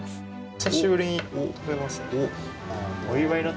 久しぶりに食べますね。